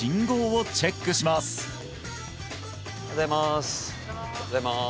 おはようございます